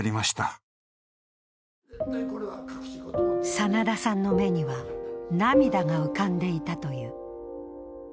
真田さんの目には涙が浮かんでいたという。